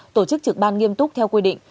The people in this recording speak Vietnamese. tổ chức trực ban nghiêm túc theo quy định